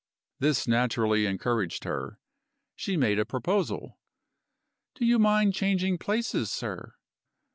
This naturally encouraged her. She made a proposal: "Do you mind changing places, sir?"